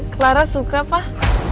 clara suka pak